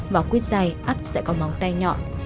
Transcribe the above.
vào quyết giày ắt sẽ có móng tay nhọn